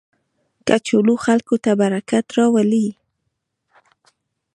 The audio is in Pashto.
کچالو خلکو ته برکت راولي